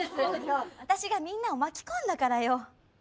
私がみんなを巻き込んだからよ。